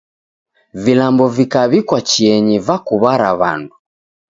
Vilambo vikaw'ikwa chienyi vakuw'ara w'andu.